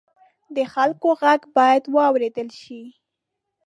د خلکو غږ باید واورېدل شي.